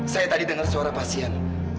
saya tadi dengar suara pasien